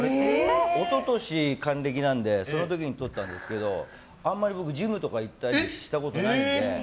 一昨年、還暦なのでその時に撮ったんだけどあんまり僕、ジムとか行ったりしたことないので。